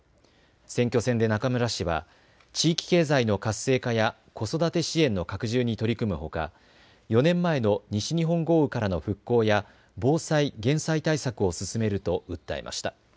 選挙戦で中村氏は地域経済の活性化や子育て支援の拡充に取り組むほか、４年前の西日本豪雨からの復興や防災・減災対策を進めると訴えました。